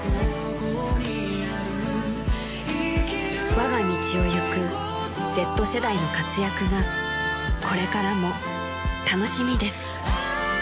［わが道をゆくＺ世代の活躍がこれからも楽しみです］